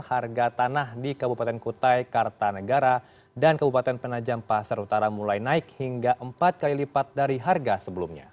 harga tanah di kabupaten kutai kartanegara dan kabupaten penajam pasar utara mulai naik hingga empat kali lipat dari harga sebelumnya